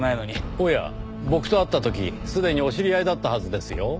おや僕と会った時すでにお知り合いだったはずですよ。